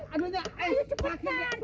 aduh ayo cepetan